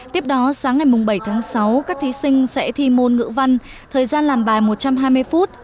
tiếp đó sáng ngày bảy tháng sáu các thí sinh sẽ thi môn ngữ văn thời gian làm bài một trăm hai mươi phút